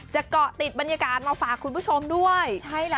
จะก็ติดบรรยากาศมาฝากคุณผู้ชมด้วย